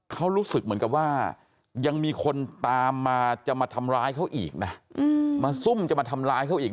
เขารู้สึกเหมือนกับว่ายังมีคนตามมาจะมาทำร้ายเขาอีกนะมาซุ่มจะมาทำร้ายเขาอีก